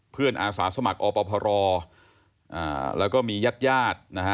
อาสาสมัครอพรแล้วก็มีญาติญาตินะฮะ